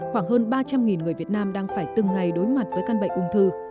khoảng hơn ba trăm linh người việt nam đang phải từng ngày đối mặt với căn bệnh ung thư